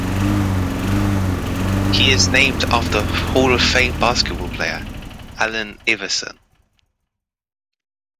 He is named after Hall of Fame basketball player Allen Iverson.